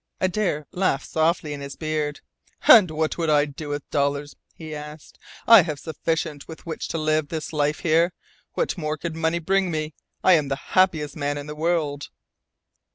Adare laughed softly in his beard. "And what would I do with dollars?" he asked. "I have sufficient with which to live this life here. What more could money bring me? I am the happiest man in the world!"